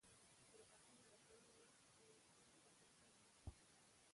چې د اتل له کړه وړه ،خوي خصلت، عمر،